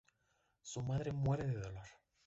Su madre muere de dolor.